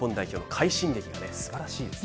快進撃ですばらしいです。